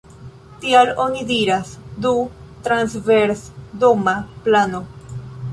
Tial oni diras „du-transversdoma plano“.